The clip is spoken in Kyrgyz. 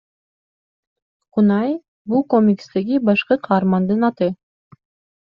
Кунай — бул комикстеги башкы каармандын аты.